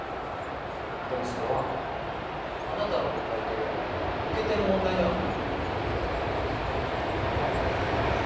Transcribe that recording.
でもそれはあなたの問題というより受け手の問題ではないかと。